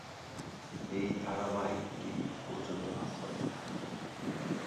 এই ধারাবাহিকটি প্রযোজনা করে।